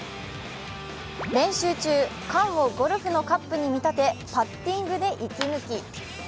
練習中、缶をゴルフのカップに見立て、パッティングで息抜き。